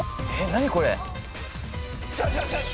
何これ？